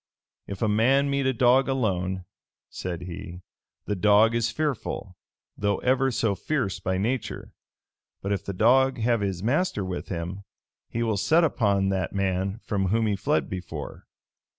[*] "If a man meet a dog alone," said he, "the dog is fearful, though ever so fierce by nature: but if the dog have his master with him, he will set upon that man from whom he fled before.